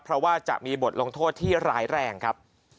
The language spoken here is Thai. เพราะว่าจะมีบทลงโทษที่ร้ายแรงครับ